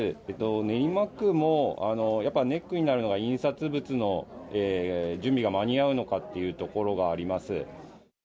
練馬区も、やっぱネックになるのは、印刷物の準備が間に合うのかっていうところがあります。